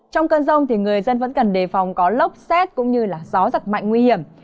trong cơn rông thì người dân vẫn cần đề phòng có lốc xét cũng như gió giật mạnh nguy hiểm